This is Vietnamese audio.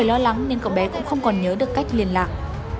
lo lắng nên cậu bé cũng không còn nhớ được cách liên lạc